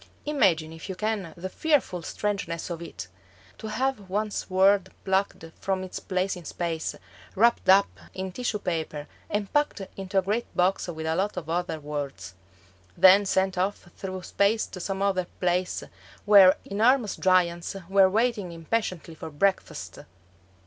Imagine if you can the fearful strangeness of it! To have one's world plucked from its place in space, wrapped up in tissue paper, and packed into a great box with a lot of other worlds; then sent off through space to some other place where enormous giants were waiting impatiently for breakfast!